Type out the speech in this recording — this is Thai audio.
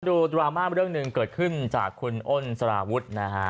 ดราม่าเรื่องหนึ่งเกิดขึ้นจากคุณอ้นสารวุฒินะฮะ